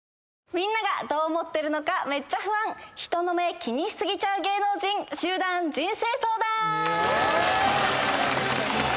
みんながどう思ってるのかめっちゃ不安人の目気にし過ぎちゃう芸能人集団人生相談！